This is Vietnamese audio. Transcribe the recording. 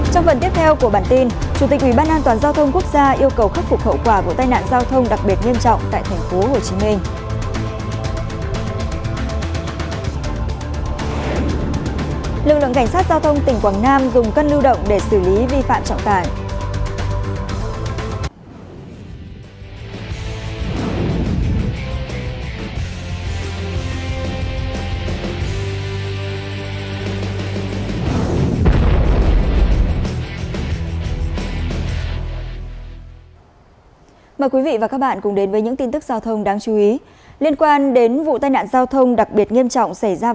trong phần tiếp theo của bản tin chủ tịch ubnd giao thông quốc gia yêu cầu khắc phục hậu quả của tai nạn giao thông đặc biệt nghiêm trọng